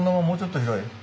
もうちょっと広い？